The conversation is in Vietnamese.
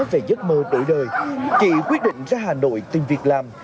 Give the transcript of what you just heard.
về giấc mơ đổi đời chị quyết định ra hà nội tìm việc làm